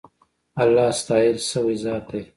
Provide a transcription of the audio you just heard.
اللهﷻ ستایل سوی ذات دی.